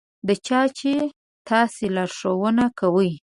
د چا چې تاسې لارښوونه کوئ.